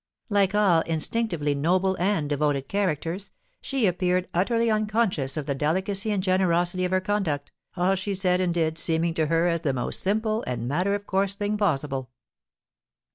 Like all instinctively noble and devoted characters, she appeared utterly unconscious of the delicacy and generosity of her conduct, all she said and did seeming to her as the most simple and matter of course thing possible.